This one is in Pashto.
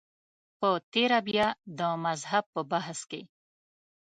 په تېره بیا د مذهب په بحث کې.